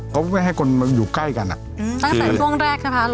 เขาไม่ให้คนมาอยู่ใกล้กันอ่ะอืมตั้งแต่ช่วงแรกครับฮะรถแรก